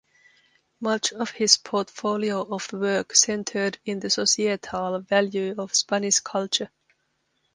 Much of his portfolio of work centered on the societal value of Spanish culture.